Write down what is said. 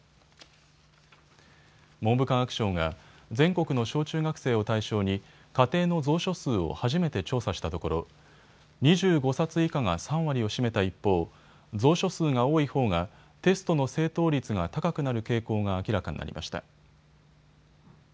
文部科学省が全国の小中学生を対象に家庭の蔵書数を初めて調査したところ２５冊以下が３割を占めた一方、蔵書数が多いほうがテストの正答率が高くなる傾向が明らかになりました。